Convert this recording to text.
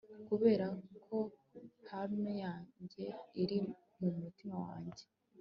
Kuberako harem yanjye iri mumutima wanjye